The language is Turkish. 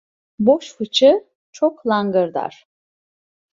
Boş fıçı çok langırdar.